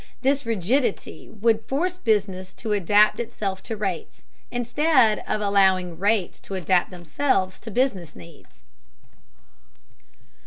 This rigidity would force business to adapt itself to rates, instead of allowing rates to adapt themselves to business needs.